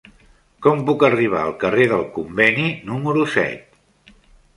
Com puc arribar al carrer del Conveni número set?